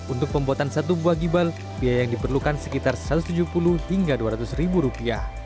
untuk pembuatan satu buah gibal biaya yang diperlukan sekitar rp satu ratus tujuh puluh hingga rp dua ratus ribu rupiah